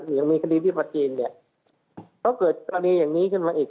อย่างมีคดีที่ปัจจีนก็เกิดตอนนี้อย่างนี้ขึ้นมาอีก